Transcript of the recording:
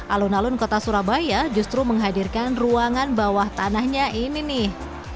alun alun kota surabaya justru menghadirkan ruangan bawah tanahnya ini nih